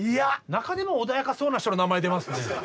中でも穏やかそうな人の名前出ますね。